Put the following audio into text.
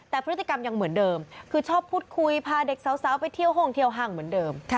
แต่พฤติกรรมยังเหมือนเดิมคือชอบพูดคุยพาเด็กสาวไปเที่ยวห้องเที่ยวห่างเหมือนเดิม